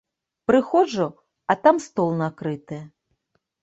Прыходжу, а там стол накрыты.